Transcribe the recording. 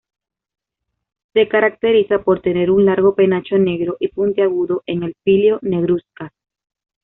Se caracteriza por tener un largo penacho negro y puntiagudo en el píleo negruzcas.